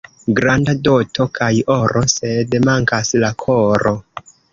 Granda doto kaj oro, sed mankas la koro.